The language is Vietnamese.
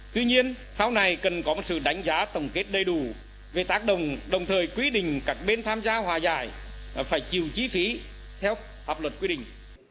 tuy nhiên sau này cần có một sự đánh giá tổng kết đầy đủ về tác đồng đồng thời quy định các bên tham gia hòa giải phải chịu chi phí theo hợp luật quy định